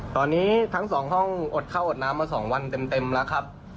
ตอนนี้ทั้งสองห้องอดข้าวอดน้ำมา๒วันเต็มแล้วครับ